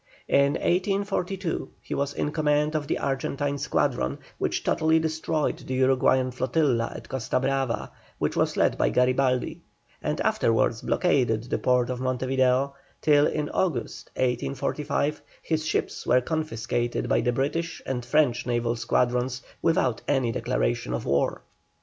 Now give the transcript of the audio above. In 1842 he was in command of the Argentine squadron, which totally destroyed the Uruguayan flotilla at Costa Brava, which was led by Garibaldi, and afterwards blockaded the port of Monte Video, till in August, 1845, his ships were confiscated by the British and French naval squadrons, without any declaration of war.